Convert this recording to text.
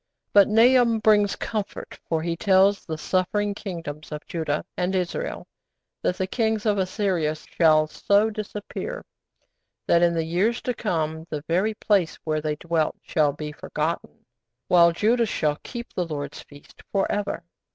But Nahum brings comfort, for he tells the suffering Kingdoms of Judah and Israel that the Kings of Assyria shall so disappear that in the years to come the very place where they dwelt shall be forgotten, while Judah shall keep the Lord's feasts for ever.